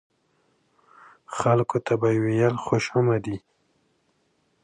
خلکو ته به یې ویل خوش آمدي.